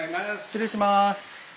失礼します。